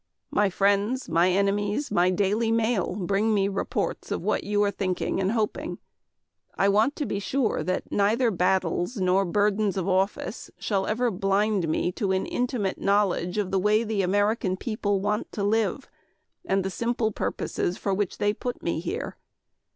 My friends, my enemies, my daily mail bring to me reports of what you are thinking and hoping. I want to be sure that neither battles nor burdens of office shall ever blind me to an intimate knowledge of the way the American people want to live and the simple purposes for which they put me here.